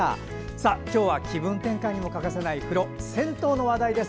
さあ今日は気分転換に欠かせない風呂、銭湯の話題です。